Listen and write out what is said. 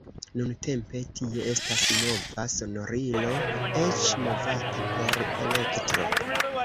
Nuntempe tie estas nova sonorilo, eĉ movata per elektro.